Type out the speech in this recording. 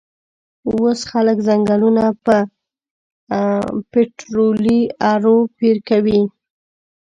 وس خلک ځنګلونه په پیټررولي ارو پیرکوی